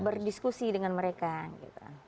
berdiskusi dengan mereka gitu